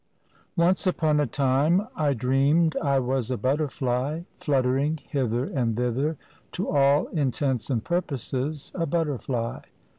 Once upon a time I dreamed I was a butterfly, flut tering hither and thither, to all intents and purposes a butterfly.